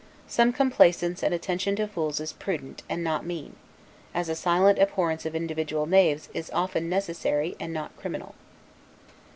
Some complaisance and attention to fools is prudent, and not mean; as a silent abhorrence of individual knaves is often necessary and not criminal.